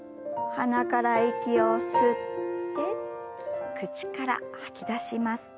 鼻から息を吸って口から吐き出します。